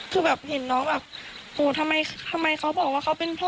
คือแบบเห็นน้องแบบโหทำไมเขาบอกว่าเขาเป็นพ่อ